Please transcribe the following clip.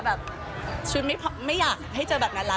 แบบชุดไม่อยากให้เจอแบบนั้นแล้ว